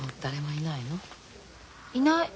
いない。